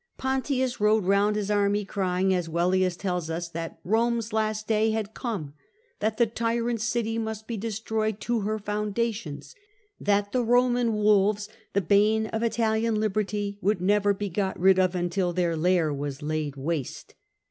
Pontius rode round his army crying, as Velleius tells us, that Rome's last day had come ; that the tyrant city must be destroyed to her foundations ; that the Roman wolves, the bane of Italian liberty, would never be got rid of until their lair was laid waste."